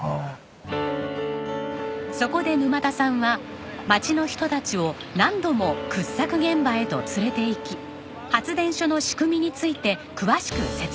そこで沼田さんは町の人たちを何度も掘削現場へと連れていき発電所の仕組みについて詳しく説明。